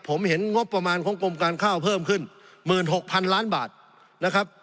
ผมเห็นงบประมาณของกรมการข้าวเพิ่มขึ้น๑๖๐๐๐ล้านบาทนะครับ